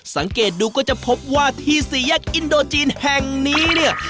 สังเกตดูก็จะพบว่าที่สี่แยกอินโดจีนแห่งนี้เนี่ย